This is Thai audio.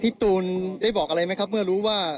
ตูนได้บอกอะไรไหมครับเมื่อรู้ว่า